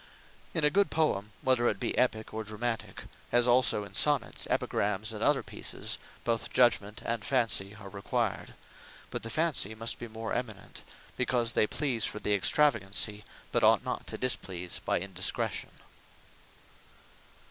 In a good Poem, whether it be Epique, or Dramatique; as also in Sonnets, Epigrams, and other Pieces, both Judgement and Fancy are required: But the Fancy must be more eminent; because they please for the Extravagancy; but ought not to displease by Indiscretion.